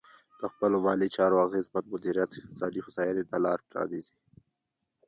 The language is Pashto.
د خپلو مالي چارو اغېزمن مدیریت اقتصادي هوساینې ته لار پرانیزي.